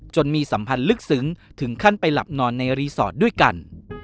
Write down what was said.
มีสัมพันธ์ลึกซึ้งถึงขั้นไปหลับนอนในรีสอร์ทด้วยกัน